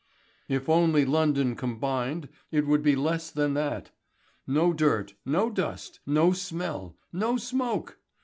"If only London combined it would be less than that. No dirt, no dust, no smell, no smoke!